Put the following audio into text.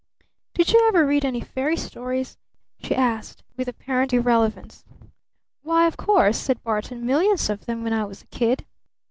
"Did you ever read any fairy stories?" she asked with apparent irrelevance. "Why, of course," said Barton. "Millions of them when I was a kid."